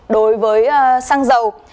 đối với xăng dầu